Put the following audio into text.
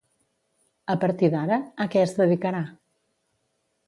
A partir d'ara, a què es dedicarà?